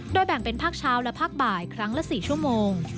แบ่งเป็นภาคเช้าและภาคบ่ายครั้งละ๔ชั่วโมง